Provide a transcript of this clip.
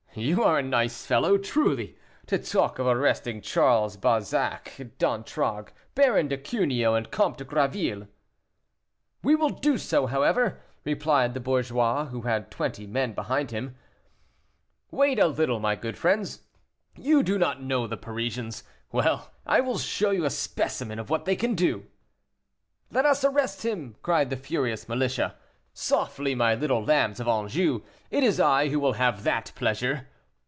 "You are a nice fellow, truly, to talk of arresting Charles Balzac d'Antragues, Baron de Cuneo, and Comte de Graville." "We will do so, however," replied the bourgeois, who had twenty men behind him. "Wait a little, my good friends. You do not know the Parisians. Well, I will show you a specimen of what they can do." "Let us arrest him!" cried the furious militia. "Softly, my little lambs of Anjou; it is I who will have that pleasure."